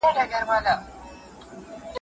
کاپي کوي او د ټولنیزو رسنیو له لاري، یا د هيواد